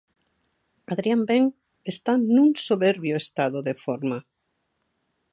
Adrián Ben está nun soberbio estado de forma.